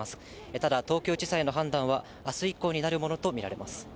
ただ、東京地裁の判断は、あす以降になるものと見られます。